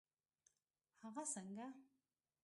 هغه څنګه؟